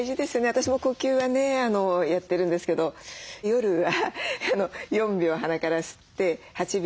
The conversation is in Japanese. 私も呼吸はねやってるんですけど夜は４秒鼻から吸って８秒吐いて。